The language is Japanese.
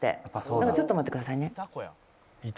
だからちょっと待ってくださいね。